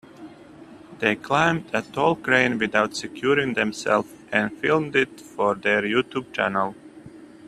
They climbed a tall crane without securing themselves and filmed it for their YouTube channel.